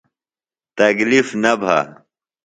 تکلیف نہ بھہ۔